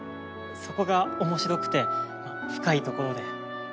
そこが面白くて深いところで。